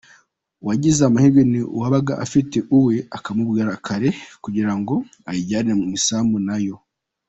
Uwagize amahirwe ni uwabaga afite uwe akamubwira kare kugira ngo ayijyane mu isambu nayo.